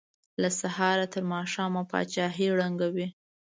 له سهاره تر ماښامه پاچاهۍ ړنګوي.